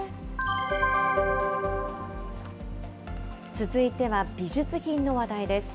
続いては、美術品の話題です。